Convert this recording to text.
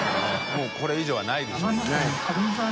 もうこれ以上はないでしょうね。